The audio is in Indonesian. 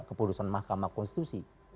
keputusan mahkamah konstitusi